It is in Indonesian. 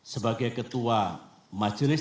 sebagai ketua majelis